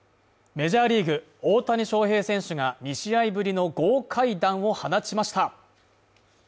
メジャーリーグ、大谷翔平選手が２試合ぶりの豪快弾を放ちました。